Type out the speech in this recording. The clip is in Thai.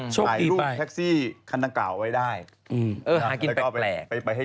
สู้เก็บเงินไปซึ่งก็พายลูกแท็กซี่